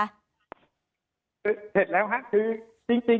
เสร็จแล้วค่ะคือจริงเนี่ย